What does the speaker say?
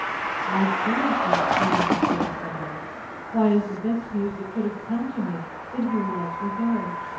I stay! dear Mrs. Jervis; said I; why it is the best news that could have come to me, that he will let me go.